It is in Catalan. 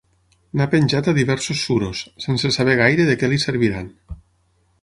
N'ha penjat a diversos suros, sense saber gaire de què li serviran.